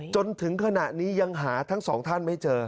จนถึงขณะนี้ยังหาทั้งสองท่านไม่เจอ